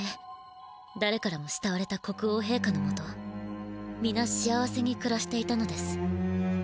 だれからもしたわれた国王へい下のもとみな幸せにくらしていたのです。